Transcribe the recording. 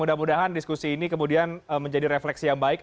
mudah mudahan diskusi ini kemudian menjadi refleksi yang baik